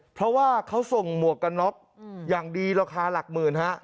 เพราะว่าเขาส่งหมวกกันน็อกอย่างดีราคาหลักหมื่นฮะ